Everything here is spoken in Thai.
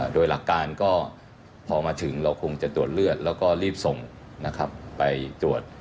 โดยหลักการก็พอมาถึงเราคงจะตรวจเลือดแล้วก็รีบส่งไปตรวจ